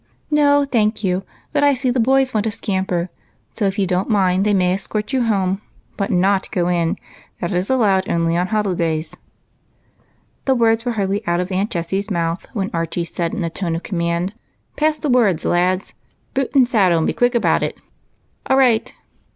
" No, thank you ; but I see the boys want a scam per, so, if you don't mind, they may escort you home, but not go in. That is only allowed on holidays." The words were hardly out of Aunt Jessie's mouth when Archie said, in a tone of command, — "Pass the word, lads. Boot and saddle, and be quick about it." " All rio ht